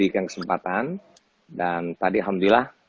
kesempatan dan tadi alhamdulillah